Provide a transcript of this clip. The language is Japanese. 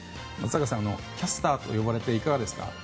松坂さんキャスターと呼ばれていかがですか？